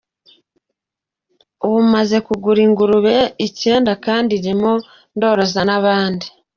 Ubu maze kugura ingurube icyenda kandi ndimo ndoroza n’abandi.